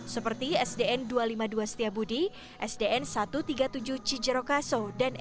seperti sdn dua ratus lima puluh dua setiabudi sdn satu ratus tiga puluh tujuh cijerokaso